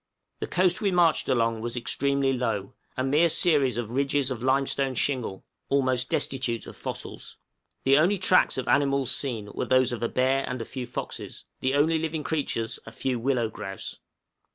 The coast we marched along was extremely low a mere series of ridges of limestone shingle, almost destitute of fossils. The only tracks of animals seen were those of a bear and a few foxes the only living creatures a few willow grouse.